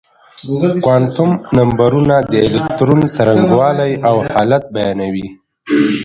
کوانتم نمبرونه د الکترون څرنګوالی او حالت بيانوي.